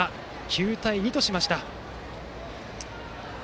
９対２としました。